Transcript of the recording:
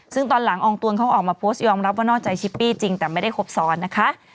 ซึ่งตอนหลังอองตวนเขาออกมาโพสต์ยอมรับว่านอกใจชิปปี้จริงแต่ไม่ได้ครบซ้อนนะคะ